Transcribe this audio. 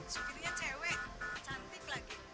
sukirnya cewek cantik lagi